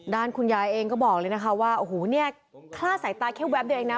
คุณยายเองก็บอกเลยนะคะว่าโอ้โหเนี่ยคลาดสายตาแค่แป๊บเดียวเองนะ